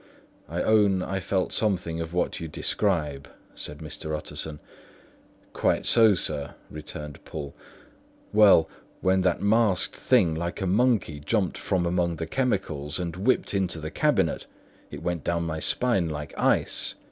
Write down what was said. "I own I felt something of what you describe," said Mr. Utterson. "Quite so, sir," returned Poole. "Well, when that masked thing like a monkey jumped from among the chemicals and whipped into the cabinet, it went down my spine like ice.